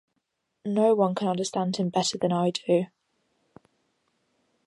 No one can understand him better than I do.